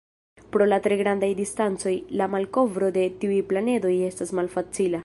Pro la tre grandaj distancoj, la malkovro de tiuj planedoj estas malfacila.